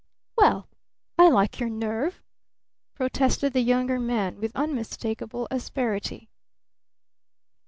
"Well, I like your nerve!" protested the Younger Man with unmistakable asperity.